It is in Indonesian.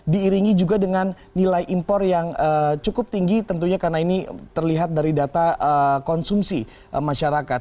diiringi juga dengan nilai impor yang cukup tinggi tentunya karena ini terlihat dari data konsumsi masyarakat